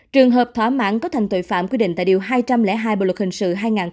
trường hợp thỏa mãn cấu thành tội phạm quy định tại điều hai trăm linh hai bộ luật hình sự hai nghìn một mươi năm